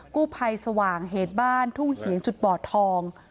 กู้ภัยสว่างเหตุบ้านทุ่งเหียงจุดบ่อทอง